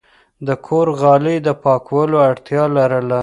د کور غالی د پاکولو اړتیا لرله.